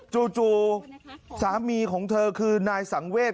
จู่สามีของเธอคือนายสังเวศ